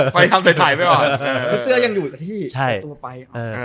เพราะเสื้อยังอยู่ที่ตัวไป